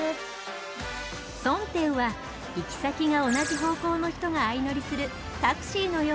ソンテウは行き先が同じ方向の人が相乗りするタクシーのような乗り物。